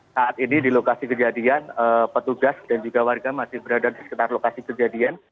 saat ini di lokasi kejadian petugas dan juga warga masih berada di sekitar lokasi kejadian